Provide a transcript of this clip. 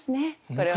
これは。